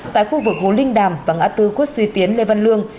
tại khu vực hồ linh đàm và ngã tư quốc suy tiến lê văn lương